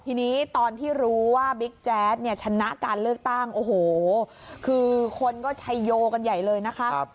ทีนี้ตอนที่รู้ว่าบิ๊กแจ๊ดเนี่ยชนะการเลือกตั้งโอ้โหคือคนก็ชัยโยกันใหญ่เลยนะคะ